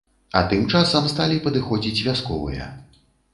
А тым часам сталі падыходзіць вясковыя.